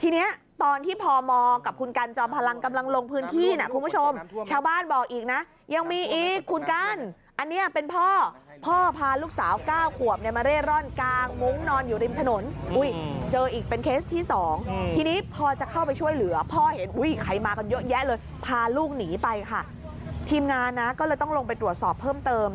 ทีนี้ตอนที่พมกับคุณกันจอมพลังกำลังลงพื้นที่นะคุณผู้ชมชาวบ้านบอกอีกนะยังมีอีกคุณกันอันนี้เป็นพ่อพ่อพาลูกสาวเก้าขวบเนี่ยมาเร่ร่อนกางมุ้งนอนอยู่ริมถนนอุ้ยเจออีกเป็นเคสที่สองทีนี้พอจะเข้าไปช่วยเหลือพ่อเห็นอุ้ยใครมากันเยอะแยะเลยพาลูกหนีไปค่ะทีมงานนะก็เลยต้องลงไปตรวจสอบเพิ่มเติม